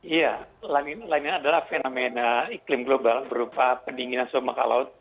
iya lanina adalah fenomena iklim global berupa pendinginan sumber maka laut